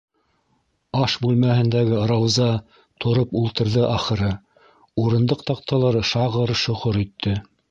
- Аш бүлмәһендәге Рауза тороп ултырҙы ахыры - урындыҡ таҡталары шағыр-шоғор итте.